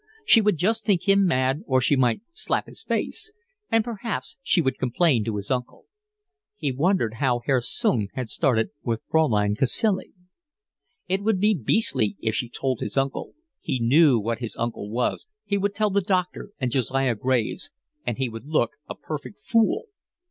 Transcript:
She would just think him mad, or she might slap his face; and perhaps she would complain to his uncle. He wondered how Herr Sung had started with Fraulein Cacilie. It would be beastly if she told his uncle: he knew what his uncle was, he would tell the doctor and Josiah Graves; and he would look a perfect fool.